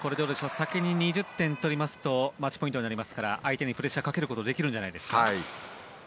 先に２０点となりますとマッチポイントになりますから相手にプレッシャーかけることができるんじゃないでしょうか。